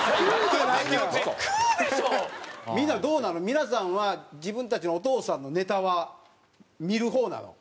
皆さんは自分たちのお父さんのネタは見る方なの？